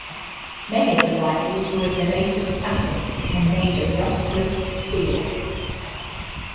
Many of the rifles were of the latest pattern and made of rustless steel.